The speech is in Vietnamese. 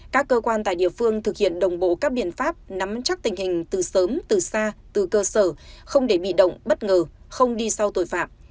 các cơ quan tại địa phương thực hiện đồng bộ các biện pháp nắm chắc tình hình từ sớm từ xa từ cơ sở không để bị động bất ngờ không đi sau tội phạm